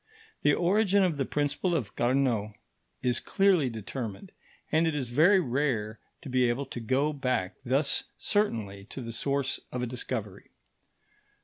The origin of the principle of Carnot is clearly determined, and it is very rare to be able to go back thus certainly to the source of a discovery.